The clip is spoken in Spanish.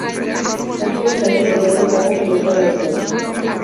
Antonio Sancho y Bernardo Capó completaron el podio.